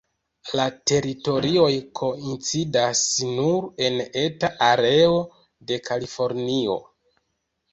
La teritorioj koincidas nur en eta areo de Kalifornio.